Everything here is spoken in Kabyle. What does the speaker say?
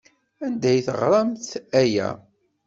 Anda ay teɣramt aya?